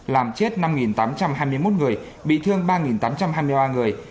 làm chết năm tám trăm hai mươi một người bị thương ba tám trăm hai mươi ba người